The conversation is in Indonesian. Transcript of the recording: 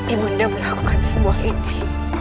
ibu nanda melakukan semua itu